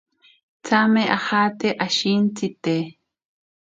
Tsame ajate ashintsite.